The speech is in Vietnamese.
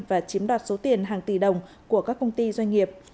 và chiếm đoạt số tiền hàng tỷ đồng của các công ty doanh nghiệp